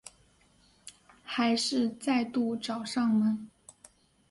还是再度找上门